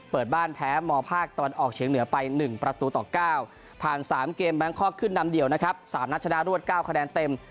เปิดบ้านแพ้มภาคตะวันออกเฉียงเหนือไป๑ประตูต่อ๙ผ่าน๓เกมแบงคอกขึ้นนำเดี่ยวนะครับ๓นัดชนะรวด๙คะแนนเต็ม